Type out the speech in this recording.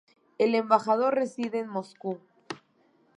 El embajador reside en Moscú.